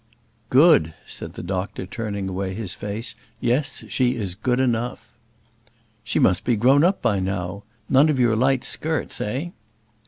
"Good!" said the doctor, turning away his face. "Yes; she is good enough." "She must be grown up by now. None of your light skirts, eh?"